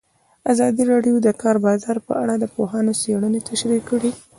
ازادي راډیو د د کار بازار په اړه د پوهانو څېړنې تشریح کړې.